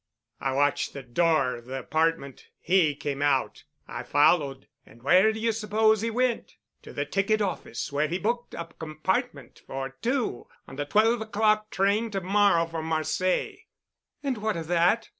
"I watched the door of the apartment. He came out. I followed, and where do you suppose he went? To the ticket office where he booked a compartment for two—on the twelve o'clock train to morrow for Marseilles." "And what of that?"